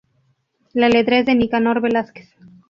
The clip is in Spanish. La letra es de Nicanor Velásquez.